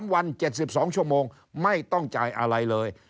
๓วัน๗๒ชั่วโมงไม่ต้องจ่ายอะไรเลย